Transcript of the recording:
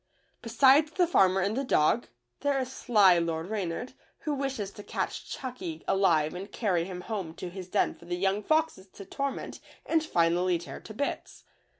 Besides the farmer and the dog, there is sly Lord Eeynard, who wishes to catch Chucky 22 THE LITTLE FORESTERS. alive and cany him home to his den for the young foxes to torment and finally tear to bits.